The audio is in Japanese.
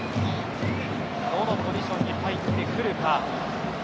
どのポジションに入ってくるか。